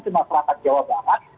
ke masyarakat jawa barat